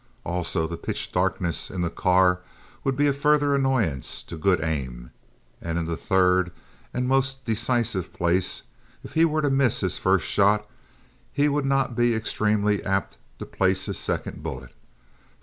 Also, the pitch darkness in the car would be a further annoyance to good aim. And in the third and most decisive place, if he were to miss his first shot he would not be extremely apt to place his second bullet.